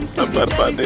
sabar pak de